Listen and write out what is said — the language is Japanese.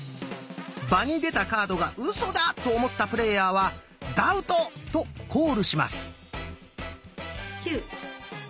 場に出たカードが「ウソだ」と思ったプレーヤーは「ダウト」とコールします。